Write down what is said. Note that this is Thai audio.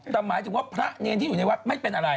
แต่หมายถึงว่าพระเนรที่อยู่ในวัดไม่เป็นอะไร